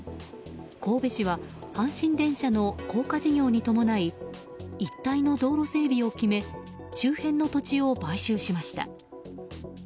神戸市は阪神電車の高架事業に伴い一帯の道路整備を決め周辺の土地を買収しました。